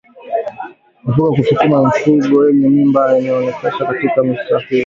Epuka kusukuma mifugo yenye mimba na inayonyonyesha katika misafara mirefu